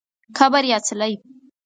قبر یا څلی